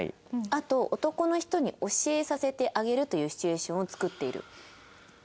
あと男の人に教えさせてあげるというシチュエーションを作っている。